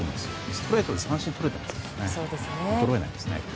ストレートで三振とれてますから衰えないですね。